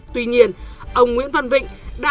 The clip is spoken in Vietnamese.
tuy nhiên ông nguyễn văn vịnh đã có nhiều chỉ đạo